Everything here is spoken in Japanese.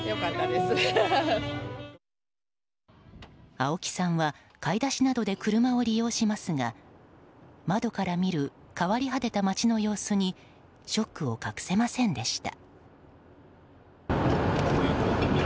青木さんは買い出しなどで車を利用しますが窓から見る変わり果てた街の様子にショックを隠せませんでした。